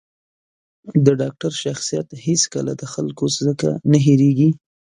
د ډاکتر شخصیت هېڅکله د خلکو ځکه نه هېرېـږي.